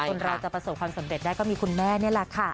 คนเราจะประสบความสำเร็จได้ก็มีคุณแม่นี่แหละค่ะ